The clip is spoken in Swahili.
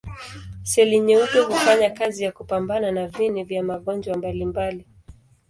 Seli nyeupe hufanya kazi ya kupambana na viini vya magonjwa mbalimbali.